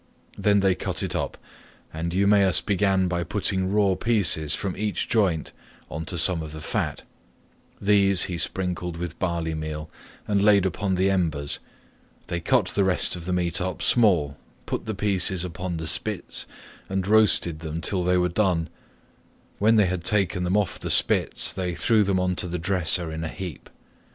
Then they cut it up, and Eumaeus began by putting raw pieces from each joint on to some of the fat; these he sprinkled with barley meal, and laid upon the embers; they cut the rest of the meat up small, put the pieces upon the spits and roasted them till they were done; when they had taken them off the spits they threw them on to the dresser in a heap.